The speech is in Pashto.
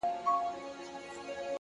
علم د بریا اساسي شرط دی!